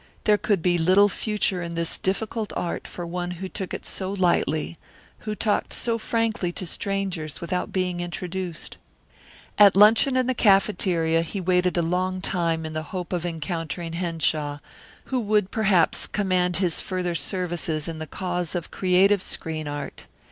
There could be little future in this difficult art for one who took it so lightly; who talked so frankly to strangers without being introduced. At luncheon in the cafeteria he waited a long time in the hope of encountering Henshaw, who would perhaps command his further services in the cause of creative screen art.